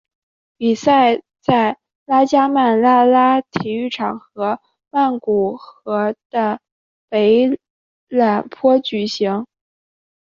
比赛在拉加曼拉拉体育场的曼谷和的北榄坡举行。